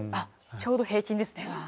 ちょうど平均ですね。